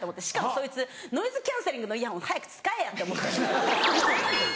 しかもそいつノイズキャンセリングのイヤホン早く使えよって思って。